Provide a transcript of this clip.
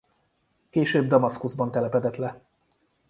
Később Damaszkuszban telepedett le.